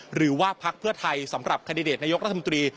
หรือว่าพักเพื่อไทยสำหรับคันดิเดตนายกรัฐมนตรี